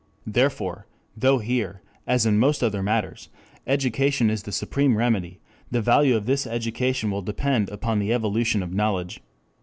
Therefore, though here, as in most other matters, "education" is the supreme remedy, the value of this education will depend upon the evolution of knowledge.